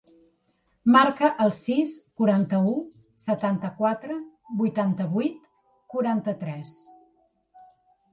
Marca el sis, quaranta-u, setanta-quatre, vuitanta-vuit, quaranta-tres.